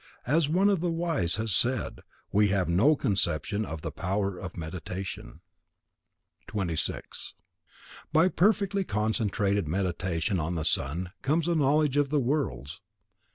As one of the wise has said, we have no conception of the power of Meditation. 26. By perfectly concentrated Meditation on the sun comes a knowledge of the worlds.